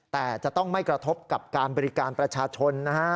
แต่จะต้องไม่กระทบกับการบริการประชาชนนะฮะ